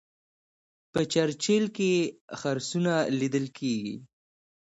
په چرچیل کې خرسونه لیدل کیږي.